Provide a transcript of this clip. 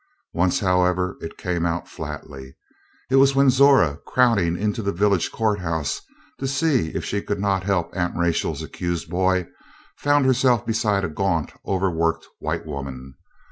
Once, however, it came out flatly. It was when Zora, crowding into the village courthouse to see if she could not help Aunt Rachel's accused boy, found herself beside a gaunt, overworked white woman.